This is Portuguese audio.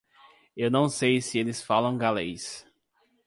Eu não sei se eles falam galês.